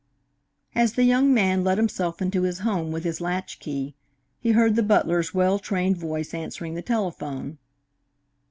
As the young man let himself into his home with his latch key, he heard the butler's well trained voice answering the telephone.